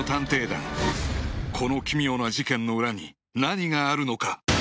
この奇妙な事件の裏に何があるのか？